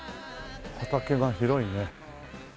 畑が広いね。